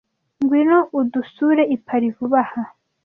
Ngwino udusure i Paris vuba aha.